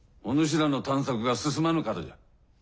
お主らの探索が進まぬからじゃ。